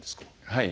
はい。